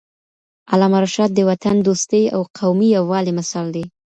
علامه رشاد د وطن دوستۍ او قومي یووالي مثال دی.